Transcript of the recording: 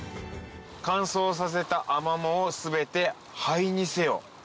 「乾燥させたアマモをすべて灰にせよ」。